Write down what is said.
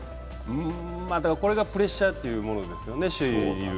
これがプレッシャーというものですよね、首位の。